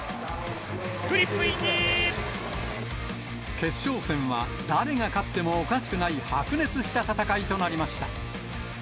決勝戦は誰が勝ってもおかしくない白熱した戦いとなりました。